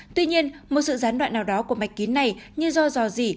tuy nhiên một sự gián đoạn nào đó của mạch kín này như do dò dỉ